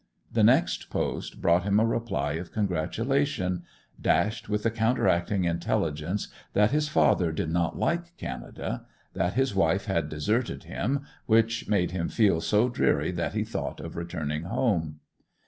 The next post brought him a reply of congratulation, dashed with the counteracting intelligence that his father did not like Canada—that his wife had deserted him, which made him feel so dreary that he thought of returning home.